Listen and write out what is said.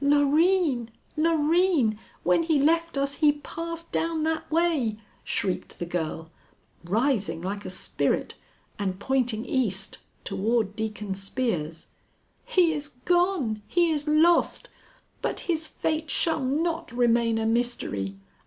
"Loreen! Loreen! When he left us he passed down that way!" shrieked the girl, rising like a spirit and pointing east toward Deacon Spear's. "He is gone! He is lost! But his fate shall not remain a mystery.